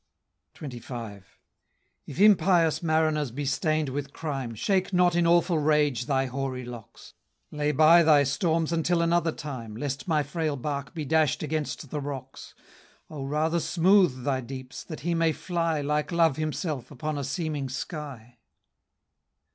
XXV. "If impious mariners be stain'd with crime, Shake not in awful rage thy hoary locks; Lay by thy storms until another time, Lest my frail bark be dash'd against the rocks: O rather smooth thy deeps, that he may fly Like Love himself, upon a seeming sky!"